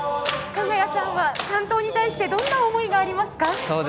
加賀屋さんは、竿燈に対してどんな思いがありますか？